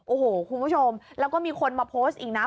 โอ้โหคุณผู้ชมแล้วก็มีคนมาโพสต์อีกนะ